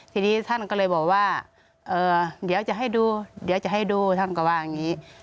ทีนี้ท่านก็เลยบอกว่าเดี๋ยวจะให้ดูท่านก็ว่าอย่างนี้